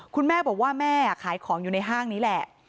คุณแม่บอกว่าแม่ขายของอยู่ในห้างนี้แหละ